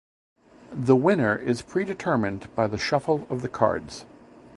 The winner is predetermined by the shuffle of the cards.